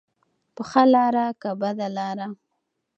په ښه لاره که بده لاره.